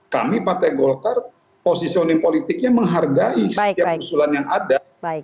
kami partai golkar posisioning politiknya menghargai setiap usulan yang ada